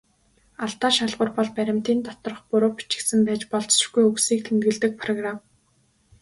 Алдаа шалгуур бол баримтын доторх буруу бичигдсэн байж болзошгүй үгсийг тэмдэглэдэг программ.